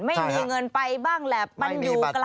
ไม่มีเงินไปบ้างแหละมันอยู่ไกลบ้างแหละ